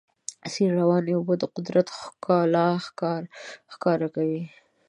د سیند روانې اوبه د قدرت ښکلا ښکاره کوي.